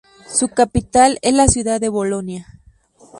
Su capital es la ciudad de Bolonia.